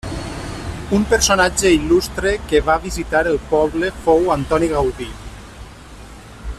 Un personatge il·lustre que va visitar el poble fou Antoni Gaudi.